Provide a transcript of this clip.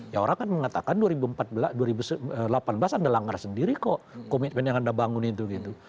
ya orang kan mengatakan dua ribu delapan belas anda langgar sendiri kok komitmen yang anda bangun itu gitu